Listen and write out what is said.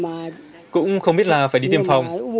nhắc đến là sợ lắm cũng không biết là phải đi tìm phòng